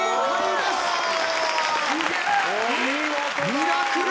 ミラクル！